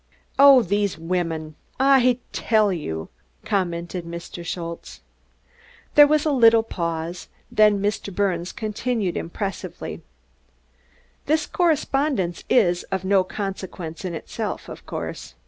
"Oh, dese wimmins! I dell you!" commented Mr. Schultze. There was a little pause, then Mr. Birnes continued impressively: "This correspondence is of no consequence in itself, of course.